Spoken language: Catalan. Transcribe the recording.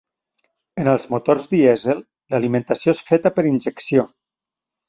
En els motors dièsel l'alimentació és feta per injecció.